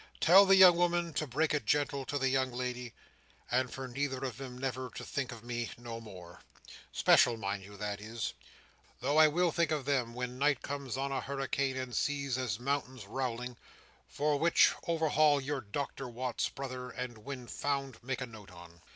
Tell the young woman to break it gentle to the young lady, and for neither of 'em never to think of me no more—"special, mind you, that is—though I will think of them, when night comes on a hurricane and seas is mountains rowling, for which overhaul your Doctor Watts, brother, and when found make a note on."